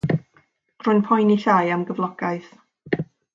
Rwy'n poeni llai am gyflogaeth.